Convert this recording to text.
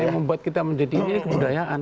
yang membuat kita menjadi ini kebudayaan